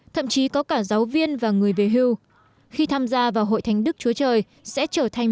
thậm chí có cả giáo viên và người về hưu khi tham gia vào hội thánh đức chúa trời sẽ trở thành